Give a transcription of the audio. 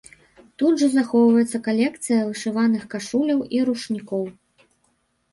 Тут жа захоўваецца калекцыя вышываных кашуляў і ручнікоў.